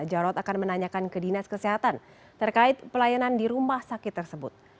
jarod akan menanyakan ke dinas kesehatan terkait pelayanan di rumah sakit tersebut